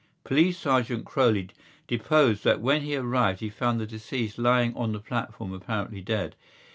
Police Sergeant Croly deposed that when he arrived he found the deceased lying on the platform apparently dead.